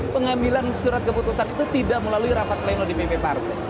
pengambilan surat keputusan itu tidak melalui rapat pleno di pp paru